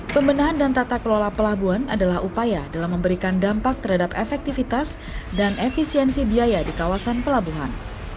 pembenahan dan tata kelola pelabuhan adalah upaya dalam memberikan dampak terhadap efektivitas dan efisiensi biaya di kawasan pelabuhan